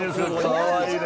かわいいね。